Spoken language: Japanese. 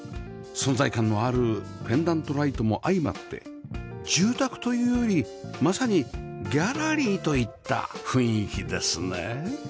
存在感のあるペンダントライトも相まって住宅というよりまさにギャラリーといった雰囲気ですね